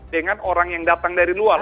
dengan orang yang datang dari luar